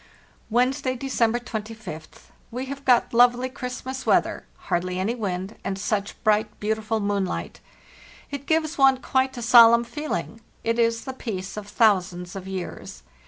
* "Wednesday, December 25th. We have got lovely Christmas weather, hardly any wind, and such bright, beautiful moonlight. It gives one quite a solemn feel ing. It is the peace of thousands of years.